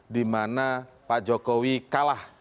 dimana pak jokowi kalah